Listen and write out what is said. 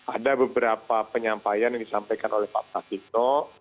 ada beberapa penyampaian yang disampaikan oleh pak pratikno